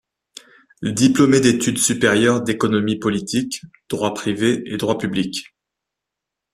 Diplômé d'études supérieures d'économie politique, droit privé et droit public.